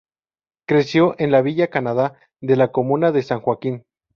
Creció en la villa Canadá de la comuna de San Joaquín.